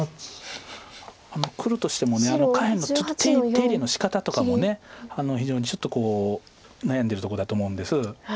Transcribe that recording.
手入れのしかたとかも非常にちょっと悩んでるとこだと思うんです。